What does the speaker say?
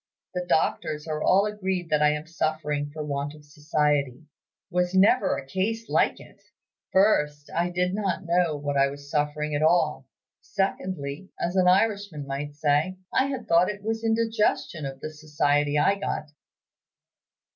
The doctors are all agreed that I am suffering for want of society. Was never a case like it! First, I did not know that I was suffering at all. Secondly, as an Irishman might say, I had thought it was indigestion of the society I got."